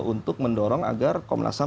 untuk mendorong agar komnas ham